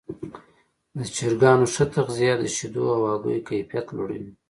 د چرګانو ښه تغذیه د شیدو او هګیو کیفیت لوړوي.